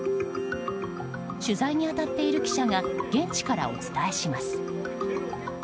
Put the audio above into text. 取材に当たっている記者が現地からお伝えします。